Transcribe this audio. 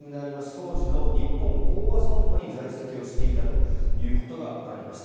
当時の日本興亜損保に在籍をしていたということがわかりました。